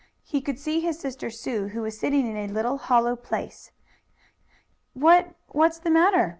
He could see his sister Sue, who was sitting in a little hollow place. "What what's the matter?"